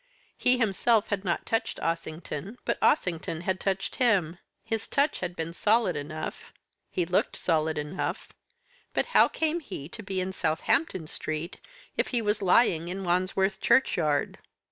He himself had not touched Ossington, but Ossington had touched him. His touch had been solid enough, he looked solid enough, but how came he to be in Southampton Street if he was lying in Wandsworth Churchyard?